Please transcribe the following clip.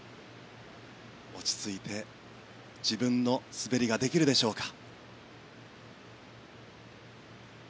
落ち着いて自分の滑りができるでしょうか。